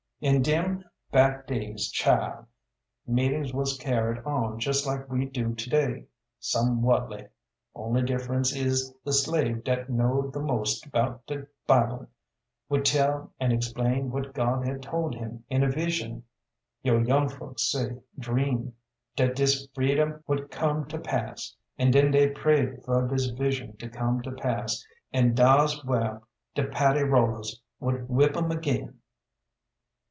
In dem back days child, meetings wuz carried on jes like we do today, somewhatly. Only difference is the slave dat knowed th' most 'bout de Bible would tell and explain what God had told him in a vision (yo' young folks say, "dream") dat dis freedom would come to pass; an' den dey prayed fer dis vision to come to pass, an' dars whar de paddy rollers would whip 'em ag'in.